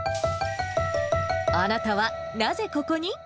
あなたはなぜここに？